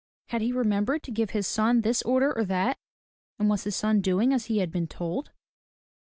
Had he remembered to give his son this order or that? And was his son doing as he had been told?